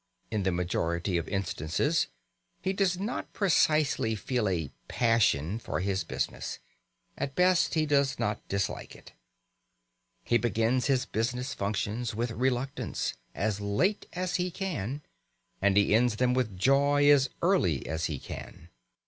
In the majority of instances he does not precisely feel a passion for his business; at best he does not dislike it. He begins his business functions with reluctance, as late as he can, and he ends them with joy, as early as he can.